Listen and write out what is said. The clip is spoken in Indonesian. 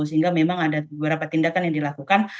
sehingga memang ada beberapa tindakan yang dilakukan